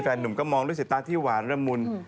แฟนหนุ่มก็มองด้วยสิ๊ดตาที่หวานร่ำมุน